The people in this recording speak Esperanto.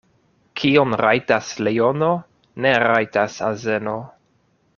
Kion rajtas leono, ne rajtas azeno.